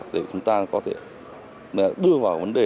để chúng ta có thể đưa vào vấn đề